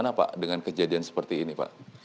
apa yang akan terjadi dengan kejadian seperti ini pak